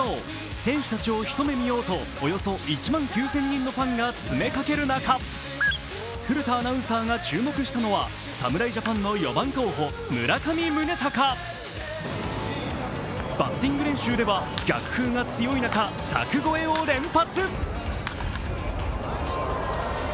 選手たちを一目見ようとおよそ１万９０００人のファンが詰めかける中、古田アナウンサーが注目したのは侍ジャパンの４番候補・村上宗隆。バッティング練習では逆風が強い中、柵越えを連発。